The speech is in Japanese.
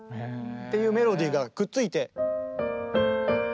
っていうメロディーがくっついて。